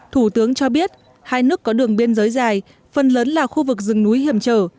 thủ tướng cho biết hai nước có đường biên giới dài phần lớn là khu vực rừng núi hiểm trở